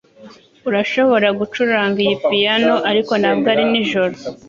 Urashobora gucuranga iyi piyano ariko ntabwo ari nijoro